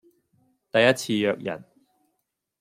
第一次約人